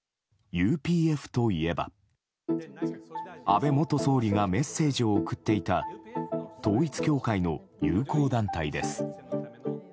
ＵＰＦといえば安倍元総理がメッセージを送っていた統一教会の友好団体です。